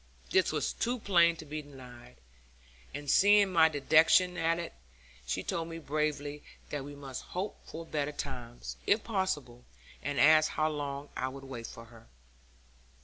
This was too plain to be denied, and seeing my dejection at it, she told me bravely that we must hope for better times, if possible, and asked how long I would wait for her.